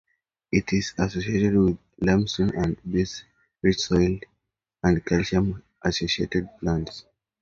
It is associated with limestone and base rich soils, and calcium associated plants.